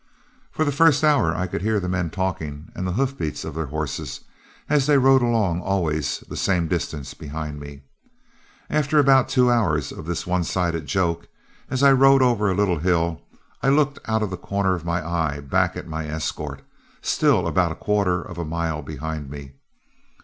"For the first hour I could hear the men talking and the hoofbeats of their horses, as they rode along always the same distance behind me. After about two hours of this one sided joke, as I rode over a little hill, I looked out of the corner of my eye back at my escort, still about a quarter of a mile behind me.